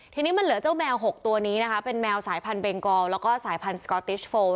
ทีนี้มันเหลือเจ้าแมว๖ตัวนี้นะคะเป็นแมวสายพันธุเบงกอลแล้วก็สายพันธุสก๊อตติชโฟม